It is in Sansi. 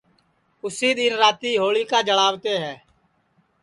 اُسی دؔن رات ہوݪیکا جݪاوتے ہے